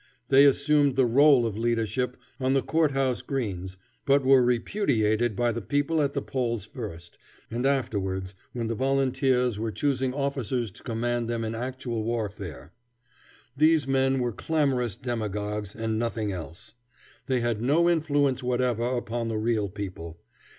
They assumed the rôle of leadership on the court house greens, but were repudiated by the people at the polls first, and afterwards when the volunteers were choosing officers to command them in actual warfare. These men were clamorous demagogues and nothing else. They had no influence whatever upon the real people.